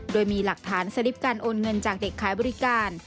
โดยมีหลักฐานสลิปการโอนเงินจากเด็กขายบริการ